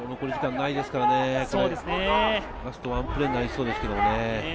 ラストワンプレーになりそうですけどね。